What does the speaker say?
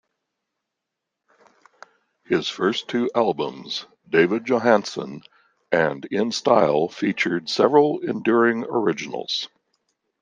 His first two albums, "David Johansen" and "In Style", featured several enduring originals.